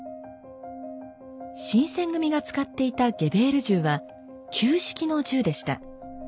新選組が使っていたゲベール銃は旧式の銃でした。